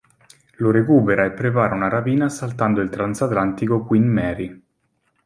Lo recupera e prepara una rapina assaltando il transatlantico "Queen Mary".